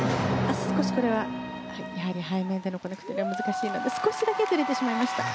背面でのコネクティッドが難しいので少しだけずれてしまいました。